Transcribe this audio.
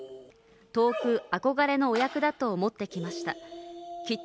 遠く憧れのお役だと思ってきました。